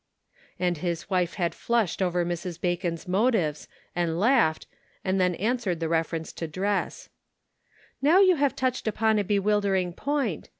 And his wife had flushed over Mrs. Bacon's A Social Problem. 101 motives, and laughed, and then answered .the reference to dress. " Now you have touched upon a bewildering point.